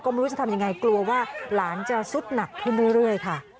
ไม่รู้จะทำยังไงกลัวว่าหลานจะสุดหนักขึ้นเรื่อยค่ะ